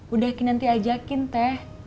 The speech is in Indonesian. udah nanti ajakin teh